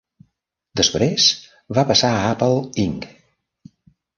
Després va passar a Apple Inc.